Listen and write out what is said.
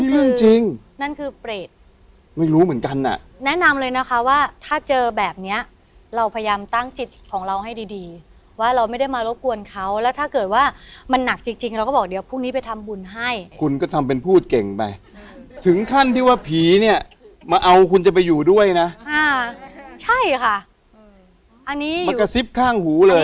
กับพี่เหมียวพี่เหมียวปวรรณรัฐเนี้ยไปถ่ายละครด้วยกัน